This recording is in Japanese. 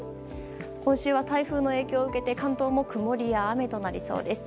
今週は台風の影響を受けて関東も曇りや雨となりそうです。